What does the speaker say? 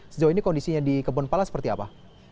sejauh ini kondisinya di kebun pala seperti apa